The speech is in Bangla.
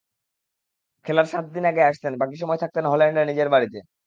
খেলার সাত দিন আগে আসতেন, বাকি সময় থাকতেন হল্যান্ডে নিজের বাড়িতে।